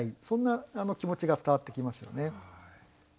そんな気持ちが伝わってきますよね。